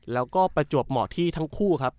แล้วก็ประจวบเหมาะที่ทั้งคู่ครับ